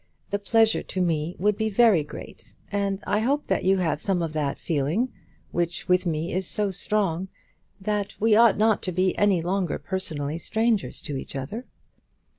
The pleasure to me would be very great, and I hope that you have some of that feeling, which with me is so strong, that we ought not to be any longer personally strangers to each other.